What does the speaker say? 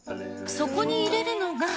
そこに入れるのが。